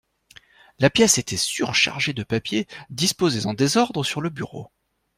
La pièce était surchargée de papiers, disposés en désordre sur le bureau